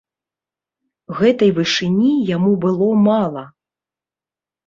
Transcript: Гэтай вышыні яму было мала.